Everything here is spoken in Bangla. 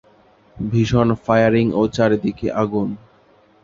ভীষণ ফায়ারিং ও চারদিকে আগুন।